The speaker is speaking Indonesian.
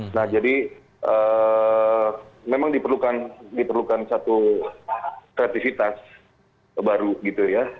nah jadi memang diperlukan satu kreativitas baru gitu ya